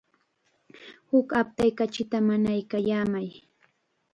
Huk aptay kachita mañaykallamay.